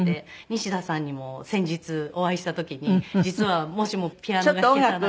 西田さんにも先日お会いした時に「実は『もしもピアノが弾けたなら』」。